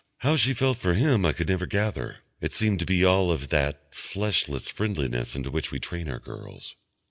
How she felt for him I could never gather; it seemed to be all of that fleshless friendliness into which we train our girls.